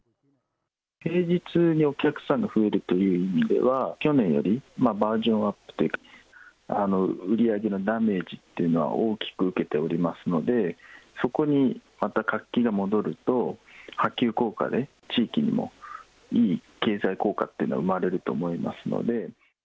平日にお客さんが増えるという意味では、去年よりバージョンアップというか、売り上げのダメージっていうのは大きく受けておりますので、そこにまた活気が戻ると、波及効果で、地域にもいい経済効果っていうのは生まれると思いますので。